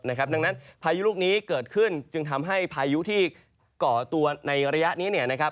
ดังนั้นพายุลูกนี้เกิดขึ้นจึงทำให้พายุที่ก่อตัวในระยะนี้